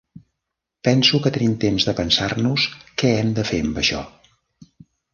Penso que tenim temps de pensar-nos què hem de fer amb això.